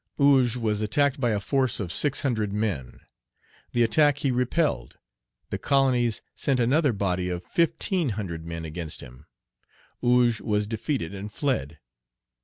Ogé was attacked by a force of six hundred men. The attack he repelled. The colonies sent another body of fifteen hundred men against him. Ogé was defeated and fled.